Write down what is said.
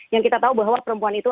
yang kita tahu bahwa perempuan itu